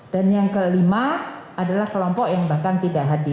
dan yang kelima adalah kelompok yang bahkan tidak hadir